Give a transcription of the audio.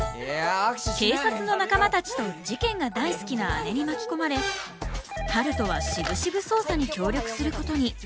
警察の仲間たちと事件が大好きな姉に巻き込まれ春風はしぶしぶ捜査に協力することに。